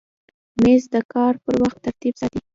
مېز د کار پر وخت ترتیب ساتي.